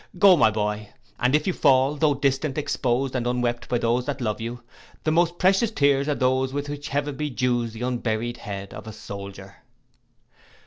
Go, my boy, and if you fall, tho' distant, exposed and unwept by those that love you, the most precious tears are those with which heaven bedews the unburied head of a soldier.